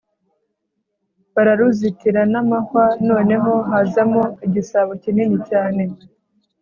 bararuzitira n’amahwa, noneho, hazamo igisabo kinini cyane,